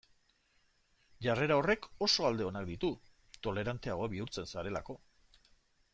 Jarrera horrek oso alde onak ditu toleranteago bihurtzen zarelako.